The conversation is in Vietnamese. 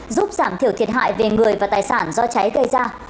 giúp giảm thiểu thiệt hại về người và tài sản do cháy gây ra